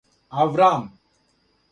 Авраам